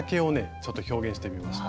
ちょっと表現してみました。